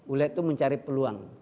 uled itu mencari peluang